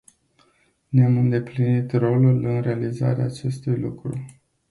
Ne-am îndeplinit rolul în realizarea acestui lucru.